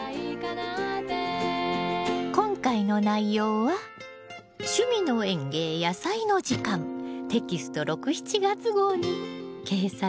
今回の内容は「趣味の園芸やさいの時間」テキスト６７月号に掲載されています。